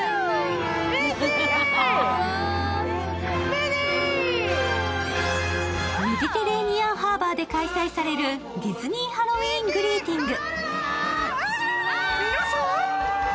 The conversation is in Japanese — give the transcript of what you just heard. メディテレーニアンハーバーで開催されるディズニー・ハロウィーン・グリーティング。